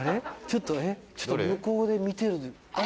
ちょっと向こうで見てる。